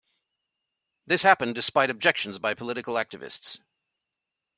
This happened despite objections by political activists.